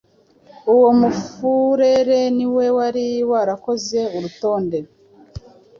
Uwo mufurere ni we wari warakoze urutonde